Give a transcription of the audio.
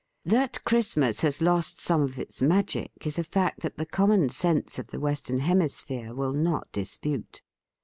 That Christmas has lost some of its magic is a fact that the common sense of the western hemisphere will not dispute.